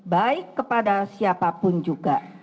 baik kepada siapapun juga